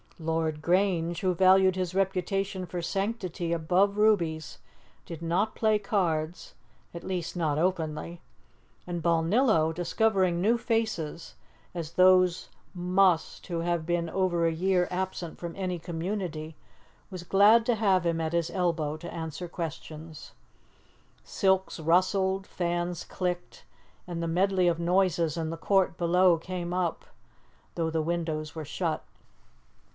Lord Grange, who valued his reputation for sanctity above rubies, did not play cards at least, not openly and Balnillo, discovering new faces, as those must who have been over a year absent from any community, was glad to have him at his elbow to answer questions. Silks rustled, fans clicked, and the medley of noises in the court below came up, though the windows were shut.